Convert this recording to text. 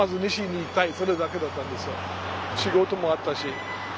仕事もあったし。